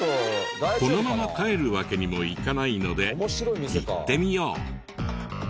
このまま帰るわけにもいかないので行ってみよう。